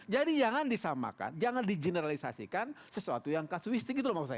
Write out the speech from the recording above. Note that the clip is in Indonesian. jadi jangan disamakan jangan di generalisasikan sesuatu yang kasuistik gitu loh maksud saya